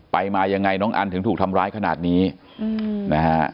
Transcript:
ไปมายังไงน้องอันถึงถูกทำร้ายขนาดนี้นะฮะ